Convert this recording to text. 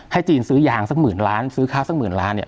จีนซื้อยางสักหมื่นล้านซื้อข้าวสักหมื่นล้านเนี่ย